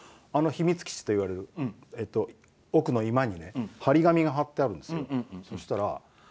秘密基地と言われる奥の居間に貼り紙が貼ってあるんですよ。